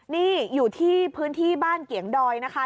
นี่อยู่ที่พื้นที่บ้านเกียงดอยนะคะ